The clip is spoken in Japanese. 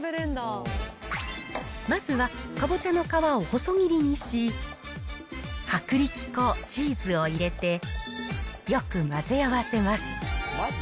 まずはかぼちゃの皮を細切りにし、薄力粉、チーズを入れてよく混ぜ合わせます。